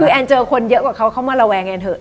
คือแอนเจอคนเยอะกว่าเขาเขามาระแวงแอนเถอ